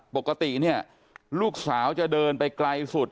ปกติเนี่ยลูกสาวจะเดินไปไกลสุด